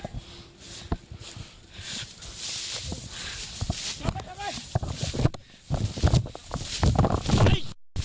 จับเลย